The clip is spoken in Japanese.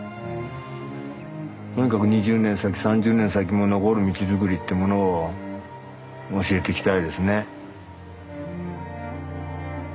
とにかく２０年先３０年先も残る道作りってものを教えていきたいですね。